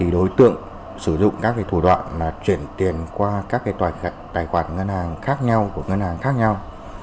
đối tượng sử dụng các thủ đoạn chuyển tiền qua các tài khoản ngân hàng khác nhau của ngân hàng khác nhau